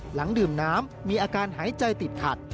หลังดื่มน้ำมีอาการหายใจติดขัด